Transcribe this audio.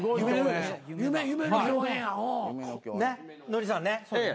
ノリさんねっ？